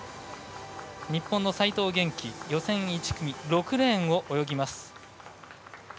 日本の齋藤元希、予選１組６レーンを泳ぎます。